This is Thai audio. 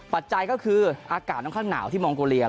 ปัจจัยก็คืออากาศค่อนข้างหนาวที่มองโกเลีย